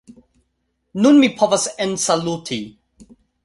Nun mi povas ensaluti